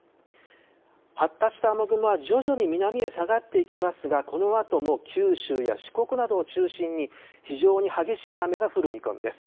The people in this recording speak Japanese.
発達した雨雲は徐々に南へ下がってきますがこのあとも九州や四国などを中心に非常に激しい雨が降る見込みです。